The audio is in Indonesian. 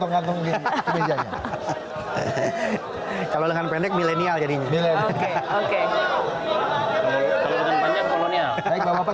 kalau dengan pendek milenial jadinya oke oke